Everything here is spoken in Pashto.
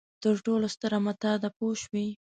تر ټولو ستره متاع ده پوه شوې!.